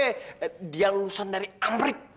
eh dia lulusan dari amrik